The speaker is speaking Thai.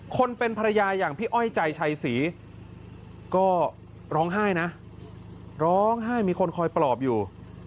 คนเป็นภรรยาอย่างพี่อ้อยใจชัยศรีก็ร้องไห้นะร้องไห้มีคนคอยปลอบอยู่